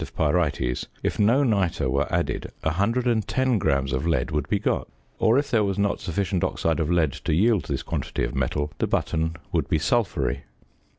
of pyrites, if no nitre were added, 110 grams of lead would be got; or, if there was not sufficient oxide of lead to yield this quantity of metal, the button would be sulphury.